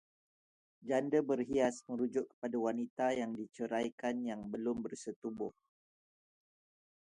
Janda berhias merujuk kepada wanita yang diceraikan yang belum bersetubuh